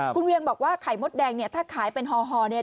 คุณเวียงบอกว่าไข่มดแดงเนี่ยถ้าขายเป็นฮอเนี่ย